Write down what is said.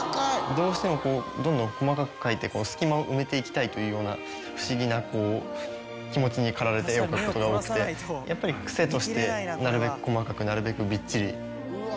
どうしてもどんどん細かく描いて。というような不思議な気持ちに駆られて絵を描くことが多くてやっぱり癖としてなるべく細かくなるべくびっちり。